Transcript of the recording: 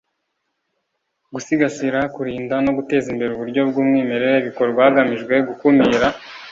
Gusigasira kurinda no guteza imbere uburyo bw umwimerere bikorwa hagamijwe gukumira